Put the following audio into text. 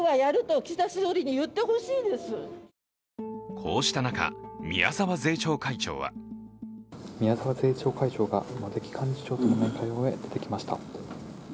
こうした中、宮沢税調会長は宮沢税調会長が、茂木幹事長との面会を終えて出てきました。